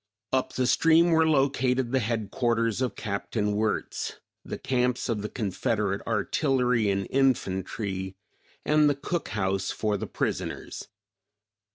Up the stream were located the headquarters of Capt. Wirtz, the camps of the Confederate artillery and infantry and the cook house for the prisoners.